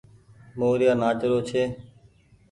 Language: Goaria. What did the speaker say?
موريآ نآچ رو ڇي۔